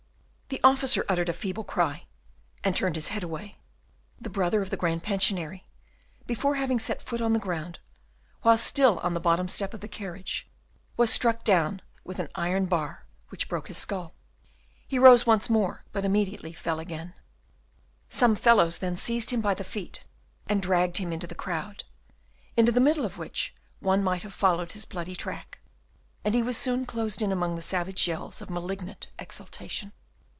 The officer uttered a feeble cry, and turned his head away; the brother of the Grand Pensionary, before having set foot on the ground, whilst still on the bottom step of the carriage, was struck down with an iron bar which broke his skull. He rose once more, but immediately fell again. Some fellows then seized him by the feet, and dragged him into the crowd, into the middle of which one might have followed his bloody track, and he was soon closed in among the savage yells of malignant exultation.